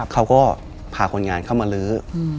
เขาก็พาคนงานเข้ามาลื้อ